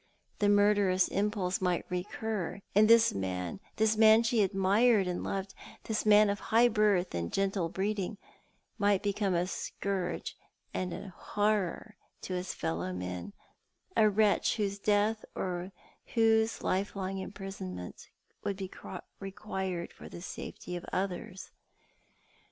The murderous impulse might recur, and this man — the man she admired and loved, the man of high birth and gentle breeding — might become a scourge and a horror to his fellow men ; a wretch whose death or whose lifelong imprisonment would be required for the safety of others.